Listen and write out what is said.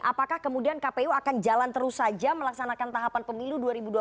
apakah kemudian kpu akan jalan terus saja melaksanakan tahapan pemilu dua ribu dua puluh